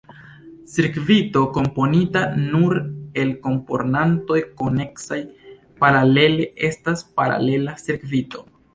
Cirkvito komponita nur el komponantoj koneksaj paralele estas paralela cirkvito.